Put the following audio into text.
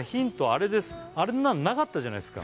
あれですあんなのなかったじゃないですか